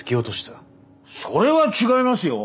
それは違いますよ！